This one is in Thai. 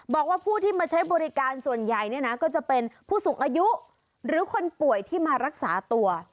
บอกว่าผู้ที่มาใช้บริการส่วนใหญ่เนี่ยนะก็จะเป็นผู้สูงอายุหรือคนป่วยที่มารักษาตัว